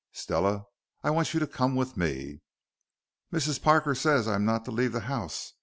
"Stella, I want you to come with me." "Mrs. Parker says I am not to leave the house.